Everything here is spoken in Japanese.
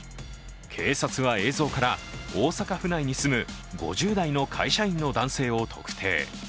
警察は映像から、大阪府内に住む５０代の会社員の男性を特定。